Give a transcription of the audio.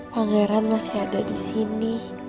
pangeran masih ada disini